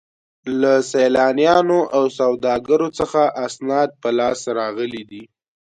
له سیلانیانو او سوداګرو څخه اسناد په لاس راغلي دي.